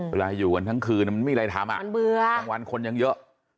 เวลาอยู่กันทั้งคืนมันไม่มีอะไรทำอ่ะตอนเบื่อตอนวันคนยังเยอะ